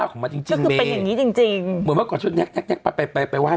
ก็ไม่ใช่คอนเทนต์แล้วเนี่ย